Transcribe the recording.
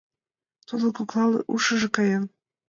Тудын коклан ушыжо каен.